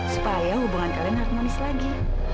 supaya hubungan kalian harmonis lagi